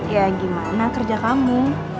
ya gimana kerja kamu